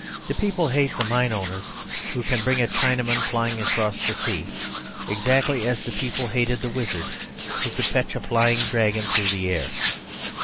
The people hate the mine owner who can bring a Chinaman flying across the sea, exactly as the people hated the wizard who could fetch a flying dragon through the air.